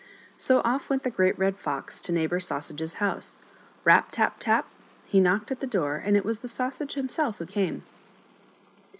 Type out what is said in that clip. So off went the Great Red Fox to Neighbor Sausage's house. Rap ! tap ! tap ! he knocked at the door, and it was the Sausage himself who came.